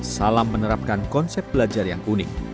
salam menerapkan konsep belajar yang unik